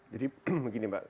jadi begini mbak